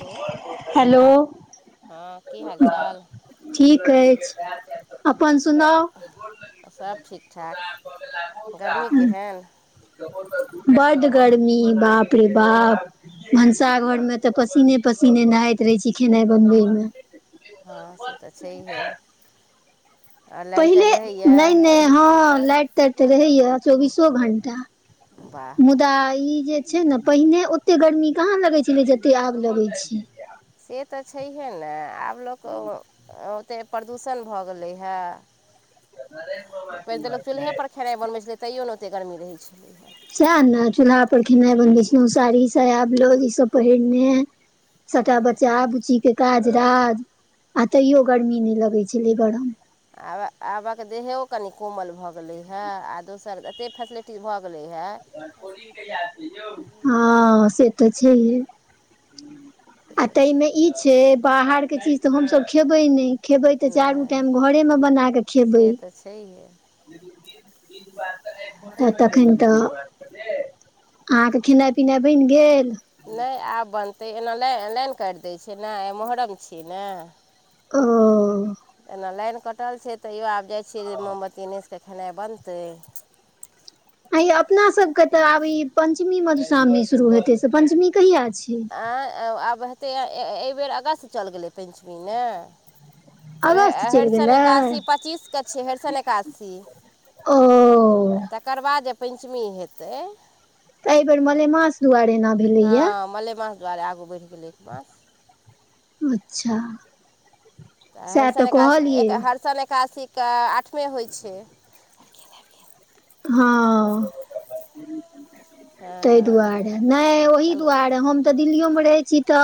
Hello hello हँ की हाल चाल ठीक अछि अपन सुनाउ सब ठीक ठाक गरमी केहन बड गर्मी बाप रे बाप भनसा घरमे तऽ पसीने पसीने नहाइत रहै छी खेनाइ बनबै मे हँ से तऽ छैहे ओर लाइन पहिले ताइन रहैए नहि नहि हँ लाइट ताइट तऽ रहैया चौबीसो घंटा वाह मुदा ई जे छै ने पहिने ओते गर्मी कहाँ लगै छलै जते आब लगैत छै से तऽ छैहे ने आब लोक ओतेक प्रदूषण भऽ गेलै हे पहिने तऽ लोक एै [unintelligible] चूल्हेपर खेनाइ बनबै छलै तैयो ने ओते गर्मी रहै छलै हँ सएह ने चूल्हा पर खेनाइ बनबै छलहुँ साड़ी साया ब्लाउज ईसभ पहिरने तैँ सभटा बच्चा ने बुच्चीके काज राज आ तैयो गर्मी नहि लगैत छलै गरम आब आबक देहो कनि कोमल भऽ गेलै हे आ दोसर एतेक फैसलिटी कती भए गेले हे हँ से तऽ छैहे से आ तऽ ताहि छै मे ई छै बाहरके चीज तऽ हमसब खेबै नहि खेबै तऽ चारू नहि टाइम घरेमे बनाकऽ खेबै से तऽ छैहे तऽ तखैन तऽ अहाँके खेनाइ पिनाइ बनि गेल नहि आब बनतै एना नहि लाइन काटि दै छै नहि मोहर्रम छियै ने ह [unintelligible] एना लाइन कटल छै तैयो आब जाइ छियै जे मोमबत्ती नेस कऽ खेनाइ बनतै आ अपना सब के ते आब ई पंचमी मधुश्रावणी शुरू हेते से पंचमी कहिया छै आँय आब हेतै एहिबेर अगस्त चलि गेलै पञ्चमी ने अगस्त चलि हरिशन गेलै एकासी पच्चीसके छियै हरिशन एकादसी आ ओ तकर बाद जे पञ्चमी हेतै तऽ एहि बेर मलेमास दुआरे एना भेलैया मलमास दुआरे आगू बढ़ि गेलै एक मास अच्छा तऽ सएह हरिशन कहलियै एकाद हरिशण एकादशीके आठमे होइ छै हँ ताहि हँ दुआरे नहि ओहि चलू दुआरे हम तऽ दिल्लीयो मे रहै छी तऽ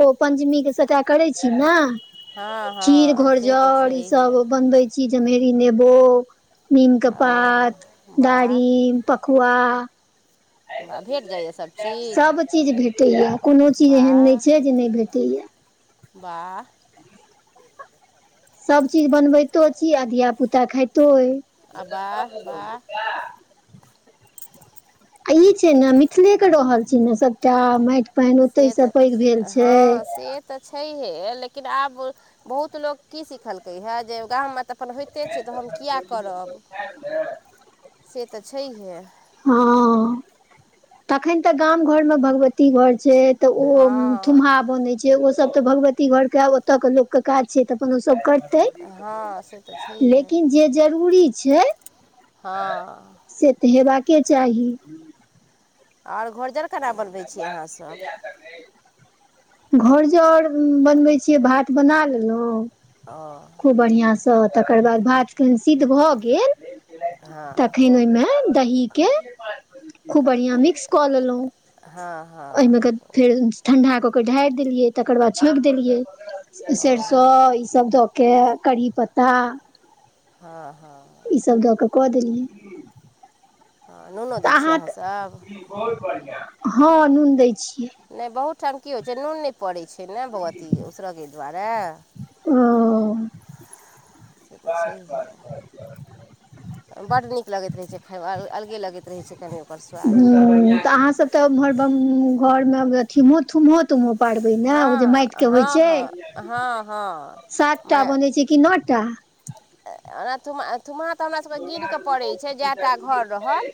ओ पंचमी के सटा करै छी ने हँ खीर हँ से तऽ घोरजौर ई छैहे सब बनबै चीजमेहरी नेबो नीम के पात ओ वाह दारिम पकुआ वाह भेट जाइए सब चीज सभ चीज भेटैया कोनो चीज एहन नहि छै जे नहि भेटैया बाह सभ चीज बनबितो छी आ धिया पुता खइतो अय वाह वाह आ ई छै ने मिथिले के रहल छी ने सबटा माटि पानि ओते से पैघ भेल छै हँ से तऽ छैहे लेकिन आब बहुत लोग की सिखलकै हे जे गा तऽ अपन होइते छै तऽ हम किए करब से तऽ छैहे हँ तखन तऽ गाम घर मे भगवती घर छथि तऽ ओ थुम्हा हँ बनै छै जे ओस तऽ भगवती घरके ओतऽके लोकके काज छै तऽ अपन ओसभ कर तै हँ से तऽ छैहे लेकिन जे जरूरी छै हँ से तऽ हेबाके चाही आओर घोरजौर केना बनबै छियै अहाँसभ घरजौर बनबै छियै भात बना लेलहुँ हँ खूब बढ़ियाँसँ तकर बाद भात कहन सिद्ध भऽ गेल हँ तखन ओहिमे दहीके खूब बढ़ियाँ मिक्स कऽ लेलहुँ हँ हँ ओहिमे फेर ठणंढाकऽ ओ ढारि देलियै तकर बाद छौंकि देलियै सरसो ओ ईसभ दऽ कऽ कढ़ी पत्ता हँ हँ ईसभ दऽ कऽ कऽ देलियै हँ नूनो दै तऽ छी अहाँ अहाँसभ हँ नून दै छियै नहि बहुत ठाम की होइ छै नून नहि पड़ैत छै ने अथी उसरयके दुआरे ओ से तऽ छैहे बड्ड नीक लगैत रहै छै खायमे अलगे लगैत रहै छै तनि [unintelligible] हूंम्म तऽ अहाँ सब तऽ एमहर घरमेे थुमहो तुम्हो पारबे ने ओ जे हँ माटि के होइ हँ छै हँ हँ हँ सातटा बनै छै कि न टा ओ तूम थुम्हा तऽ हमरा सबके गिन क परै छै जेटा घर रहल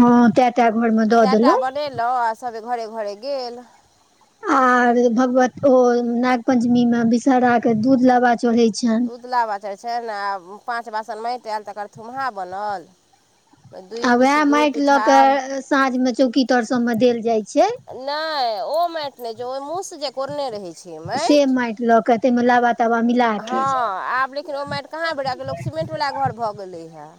हँ तए टा घरमे दऽ तै टा देलहुँ बन लेलहुँ आ सबे घरे घरे गेल आर भगवत ओ नाग पंचमी में विषहरा के दूध लाबा चढ़े छै दूध लाबा चर छै ने आ पाँच बासन माटि आयल तकर थुमहा बनल दुइभ सिन्दूर पिठार साँझमे चौकी तर सबमे देल जाइ छै नहि ओ माटि नहि छै ओहि मुह से जे कोरने रहै छै से माटि लऽ के ताहिमे लाबा ताबा मिला के हँ आब लेकिन कि ओ माटि कहाँ भर क लोक सिमेंट वला घर भऽ गेलै हे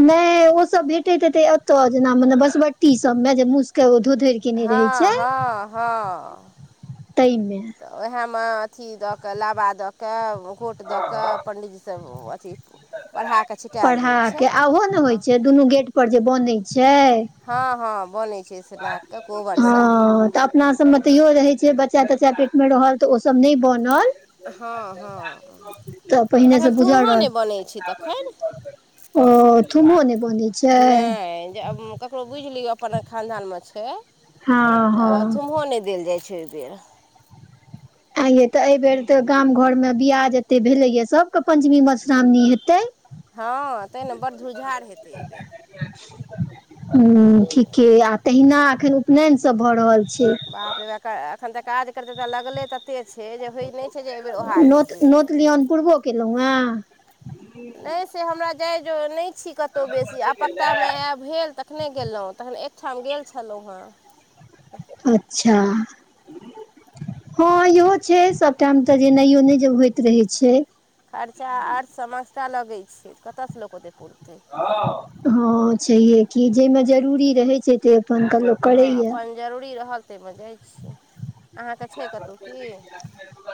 नहि ओ सब भेटैत हेते एतऽ जेना मने बसबट्टी सब मे जे मुस के धोधरि केने रहे हँ छै हँ हँ ताहिमे तऽ ओएहमे अथी दऽ कऽ लाबा दऽ कऽ गोट दऽ कऽ पण्डीजी सब अथी पढ़ााकऽ छिटाएल पढ़ा जाइ के छै आ ओहो ने होइ हँ छै दुनू गेट पर जे बनै छै हँ हँ बनैत छै से नाकके कोबरसँ हँ तऽ अपना सबमे तैयो रहै छै बच्चा तच्चा पेटमे रहल तऽ ओ सब नहि बनल हँ हँ तऽ पहिने से तखन बुझल थुहोँ नहि रहल बनैत छै तखन ओ थुमहो नहि बन नहि जे आब ककरो बुझि लियौ अपन खानदानमे छै हँ तऽ हँ थुमहो नहि देल जाइ छै ओहि बेर आ ये ते एबर त गाम घर मे बियाह जते भेले ये सब के पंचमी मधुश्रावणी हेते हँ तैँ ने बड़ धुरझार हेतै एहिबेर हूंम्म ठीके आ तहिना अखन उपनयन सब भऽ रहल छै बाप रे बा एखन तऽ काज करतै तऽ लगले तते छै जे होइत नहि छै जे एहिबेर ओहार हेतै से न पूर्वक [unintelligible] केलौं न नहि से हमरा जाय ज नहि छी कतहु बेसी आ पक्तामे आयब भेल तखने गेलहुँ तखन एकठाम गेल छलहुँ हँ अच्छा हँ इहो छै सभटाइम तऽ जेनायो नहि जे होइत रहैत छै खर्चा आठ समस्ता लगै छै तऽ कतयसँ लोक ओतेक पुरतै हँ छैेहे कि जाहिमे जरूरी रहै छै तऽ हँ अपन जरूरी रहल ताहिमे जाइ छी अहाँके छै कतहु की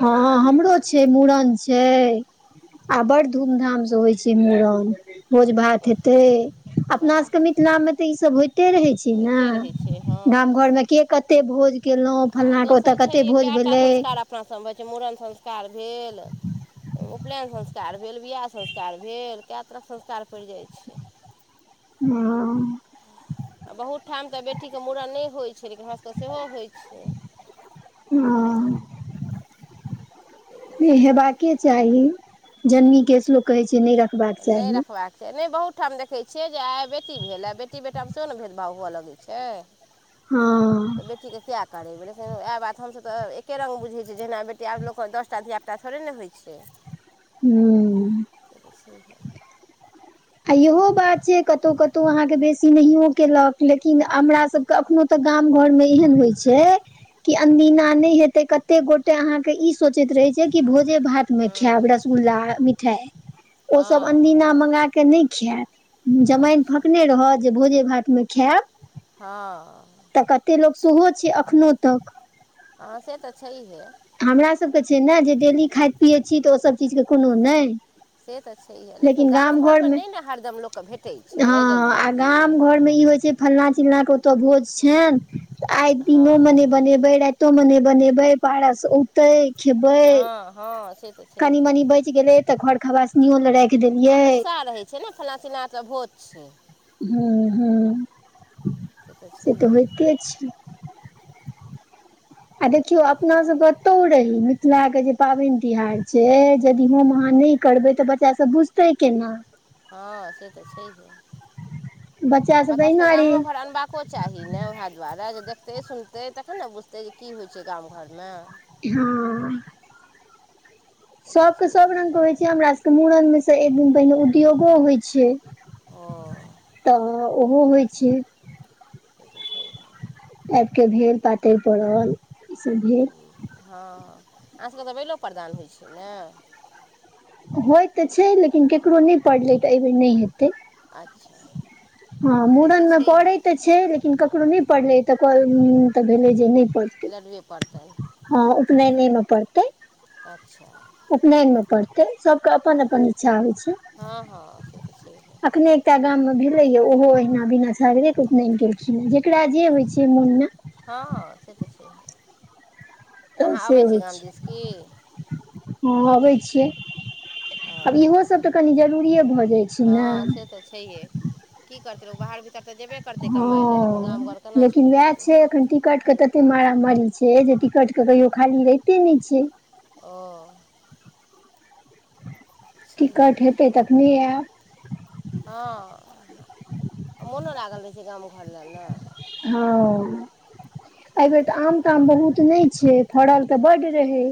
हँ हमरो छै मुड़न छै आ बड्ड धूम धामसँ होइ छै मुड़न भोज भात हेते अपना वाह सबके मिथिला मे तऽ ई सब होयते के रहै छै ने होइते रहै छै हँ गाम घर मे के कते भोज केलहुँ आ फलना के ओत कते दोसर छै कते भोज कए टा भेलै संस्कार अपना सभमे होइ छै मूड़न संस्कार भेल उपनयन संस्कार भेल विवाह संस्कार भेल कए तरहक संस्कार पड़ि जाइत छै आ आ बहुत ठाम तऽ बेटीके मूड़न नहि होइत छै लेकिन हमरासभके सेहो होइ छै ह से तऽ इहे छैहे बाकै चाही जन्नी केस लोग कहे छै नहि र नहि रखबाक चाही नहि बहुत ओहिठाम देखैत छियै जे आइ बेटी भेल आ बेटी बेटामे सेहो ने भेदभाव हुअ लगैत छै हँ क किया करेबै लेकिन वएह बात हमसभ तऽ एके रंग बुझै छिय जेना बेटी आब लोक दसटा धिया तथरे ने होइ छै हू ह [inaudible] आ इहो बात छै कतौ कतौ अहाँके बेसी नहियो केलक लेकिन हमरा सब कखनो तऽ गाम घर मे एहन होइ छै कि अंदीना नै हेते कते गोटे अहा के इ सोचे रहे छै कि भोजे भात खायब हँ रसगुल्ला मिठाइ ओसभ हँ अदीना मगा कऽ नहि खायत जमाइन अच्छा फकने रह जे भोजे भातमे खायब हँ तऽ कतेक लोक सेहो छै एखनोहु तक आँ से तऽ छैहे हमरा सभके छै ने जे डेली खाइत पियैत छी तऽ ओसभ चीजके कोनो नहि से तऽ छैहे लेकिन गाम घरपर घरमे नहि ने हरदम लोकके भेटै हँ छै जल्दी आ जल्दी गाम घरमे ई होइ छै फल्ना चिलला के ओतय भोज छनि तऽ आइ दिनो मे हँ नै बनेबै राति कतो मने बनेबै पारस औते खेबै हँ हँ से त कनी मनी बचि गेले तऽ घर खबास नियो ल राखि देल आ उत्साह रहैत छै ने फल्ना चिलना त भोज छै हूं हूं से तऽ होइते छै आ देखियौ अपना सबत कतौ रही मिथिला के जे पाबनि तिहार छै यदि हम अहाँ नहि करबै तऽ बच्चा सब बुझ तै केना हँ से तऽ छैहे बच्चा सब बच्चाभके तहिना रे गामो घर अनबाक को चाही ने वएह दुआरे जे देखतै सुनतै तखन ने बुझतै जे की होइ छै गाम घरमे हँ से तऽ सभके सभ छैहे रङ्गके होइ छै हमरा सभके मूड़नमे सँ एक दिन पहिने उद्योगो होइ छै ओ तऽ ओहो होइ छै त देख छै [unintelligible] आबि के भेल पातरि पड़ल ई सब भेल हँ अहाँसभके तऽ बेलो प्रदान होइ छै ने होय तऽ छै लेकिन केकरो नहि पढ़लै तऽ एहि बेर नहि हेतै अच्छा हँ से तऽ मुड़न मे पड़े छैहे तऽ छै लेकिन ककरो नहि पढ़लै तऽ तऽ भेलै जे नहि पढ़तै लडवे पड़तै हँ उपनयने मे पड़तै अच्छा उपनयन मे पड़तै सबके अपन अपन इच्छा होइ छै हँ हँ से तऽ छैहे अखने एकटा गाममे भेलैएा ओहो अहिना बिना छागरेके उपनयन केलखिन हेँ जेकरा जे होइत छै मोनमे हँ, से तऽ छै। तऽ से होइ छै, दिस की हम अबै छी। ओ आब इहोसभ तऽ कनी जरूरीए भऽ जाइत छै ने। हँ से तऽ छैहे की करतै, बाहर भीतर तऽ जेबे। करतै कमाइ लए लेकिन गाम हँ, घर केना लेकिन छोड़ि वएह देतै छै एखन। टिकटक तते मारामारी छै जे टिकट कहियो खाली रहिते नहि छै। ओ टिकट छैहे हेतै तखने आयब। हँ, मोनो लागल रहै छै गाम घर लेल ने। हँ, एहि बेर छैहे तऽ आम। आम बहुत नहि छै, फड़ल तऽ बड़ रहे।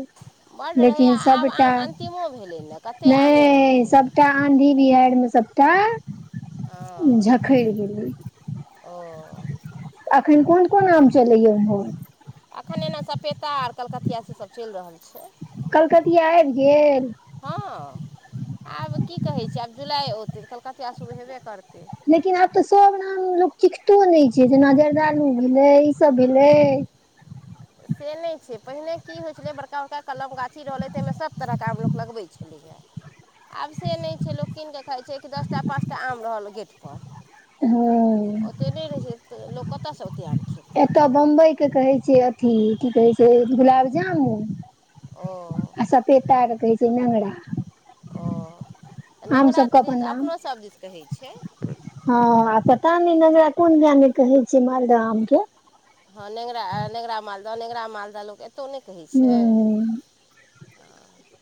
बड्ड रहै लेकिन आ आब सबटा आम अन्तिमो भेलै ने कतेक आमे नहि, रहतै सबटा। आँधी बिहारि मे सभटा हँ, ओ अखन कोन कोन आम चलैए ओहो? एखन एना सपेता आ कलकतियासभ चलि रहल छै। कलकतिया आबि गेल। हँ, आब की कहै छै, आब जुलाई औतै तऽ कलकतिया शुरू हेबे करतै। लेकिन आब तऽ सभ आम लोक चिखतो नहि छै, जेना जर्दालु भेलै, ईसभ भेलै। से नहि छै, पहिने की होइत छलै, बड़का-बड़का कलम गाछी रहलै, ताहिमे सभ तरहके आम लोक लगबैत छलै। कलि है से नहि छै, पहिने की होइत छलै, बड़का-बड़का कलम गाछी रहलै, ताहिमे सभ तरहके आम लोक लगबैत छलै। हँ ओतऽ नहि रहि लोक तऽ ओतऽ आब एतय बम्बईके कहै छै, अथी की कहै छै, गुलाब जामुन। ओ आ सपेता के कहै छै नंगरा। ओ तऽ नेङ्गरा सबके तऽ अपन दीद, नाम अपनोसभ दीद कहै छै। हँ, आ पता नहि नेगरा कोन गाममे कहै छी मालदह आमके। हँ, नेङगरा नेङगरा, मालदह, नेङ्गरा मालदह लोक एतहु नहि कहै छै। हूं ह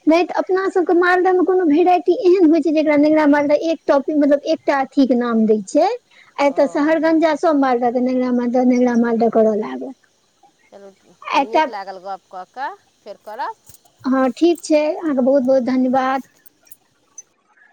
नहि तऽ अपना सभके मालदामे कोनो वैरायटी एहन होइ छै, जेकरा लंगरा मालदा एकटा मतलब एकटा अहाँके नाम देल छै, ओ एतऽ शहरगंजासँ मारि रहल। न, मालदह कर लागल चलू एकटा। नीक लागल गप कऽ फेर करब हँ, ठीक छै। अहाँके बहुत बहुत धन्यवाद।